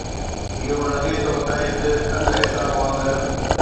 اهو لڳي ٿو ته هڪ تنگ اعصاب وانگر.